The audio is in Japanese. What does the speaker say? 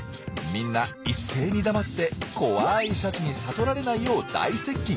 みんな一斉に黙って怖いシャチに悟られないよう大接近。